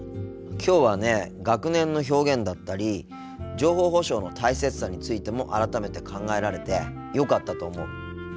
きょうはね学年の表現だったり情報保障の大切さについても改めて考えられてよかったと思う。